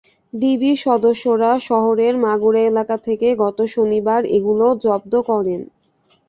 ডিবির সদস্যরা শহরের মাগুরা এলাকা থেকে গত শনিবার এগুলো জব্দ করেন।